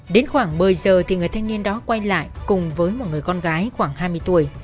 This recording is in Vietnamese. đến khoảng một mươi giờ thì người thanh niên đó quay lại cùng với một người con gái khoảng hai mươi tuổi